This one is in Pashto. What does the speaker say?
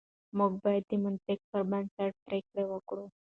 موږ بايد د منطق پر بنسټ پرېکړه وکړو.